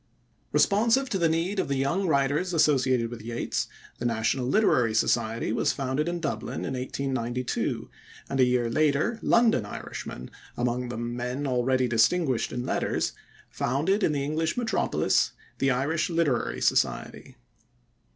Responsive to the need of the young writers associated with Yeats, the National Literary Society was founded in Dublin in 1892, and a year later London Irishmen, among them men already distinguished in letters, founded in the English metropolis the Irish Literary Society.